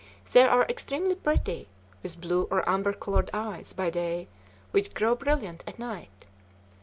They are extremely pretty, with blue or amber colored eyes by day which grow brilliant at night.